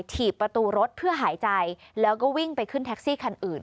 ถีบประตูรถเพื่อหายใจแล้วก็วิ่งไปขึ้นแท็กซี่คันอื่น